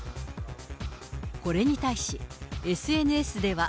これに対し、ＳＮＳでは。